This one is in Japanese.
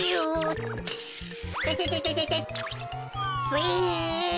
スイ。